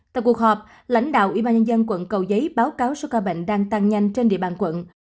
tại cuộc họp lãnh đạo ủy ban nhân dân quận cầu giấy báo cáo số ca bệnh đang tăng nhanh trên địa bàn quận